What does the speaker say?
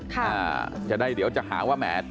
ค่ะจะได้เดี๋ยวจะหาว่าแหม